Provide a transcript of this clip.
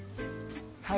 はい。